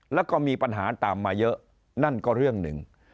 แล้วก็มีปัญหาตามมาเยอะนั่นก็เรื่องหนึ่ง